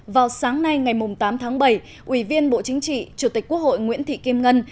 vào sáng nay ngày tám tháng bảy ủy viên bộ chính trị chủ tịch quốc hội nguyễn thị kim ngân